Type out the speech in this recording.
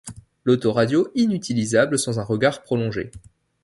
L'autoradio inutilisable sans un regard prolongé.